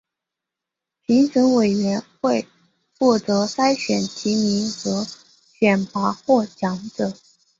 评审委员会负责筛选提名和选拔获奖者。